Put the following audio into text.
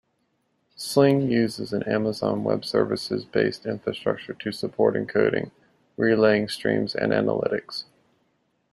Sling uses an Amazon Web Services-based infrastructure to support encoding, relaying streams and analytics.